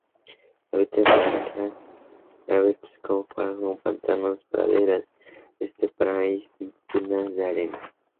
Habita en parajes abiertos como páramos, pantanos, praderas esteparias o dunas de arena.